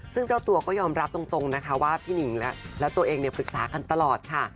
ซึ่งเจ้าตัวก็ยอมรับตรงนะคะว่าพี่หนิงและตัวเองปรึกษากันตลอดค่ะ